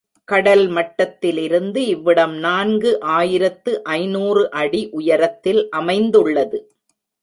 கடல் மட்டத்திலிருந்து இவ்விடம் நான்கு ஆயிரத்து ஐநூறு அடி உயரத்தில் அமைந்துள்ளது.